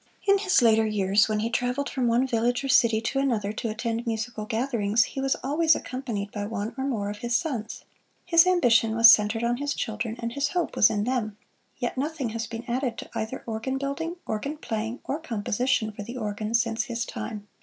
In his later years, when he traveled from one village or city to another to attend musical gatherings, he was always accompanied by one or more of his sons. His ambition was centered on his children, and his hope was in them. Yet nothing has been added to either organ building, organ playing or composition for the organ since his time.